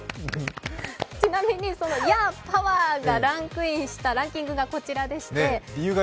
ちなみに、「ヤー！パワー！」がランクインした理由がこちらでして。